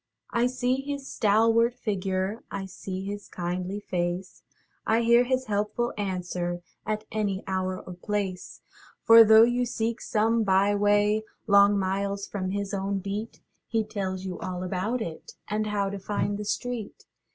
I see his stalwart figure, I see his kindly face, I hear his helpful answer At any hour or place. For, though you seek some by way Long miles from his own beat, He tells you all about it, And how to find the street.